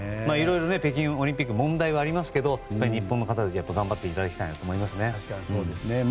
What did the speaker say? いろいろ北京オリンピック問題はありますけど日本の方に頑張っていただきたいですね。